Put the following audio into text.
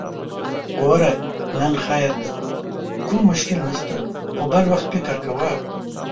ګوره! نن خير دی، کوم مشکل نشته، خو بل وخت فکر کوه!